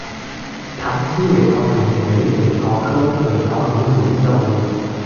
塘栖尾孢虫为尾孢科尾孢虫属的动物。